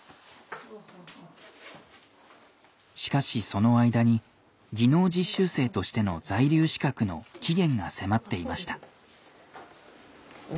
しかしその間に技能実習生としての在留資格の期限が迫っていました。